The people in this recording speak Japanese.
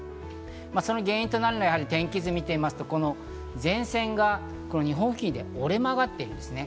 その原因となるのはやはり天気図を見てみますと、前線が日本付近で折れ曲がっていますね。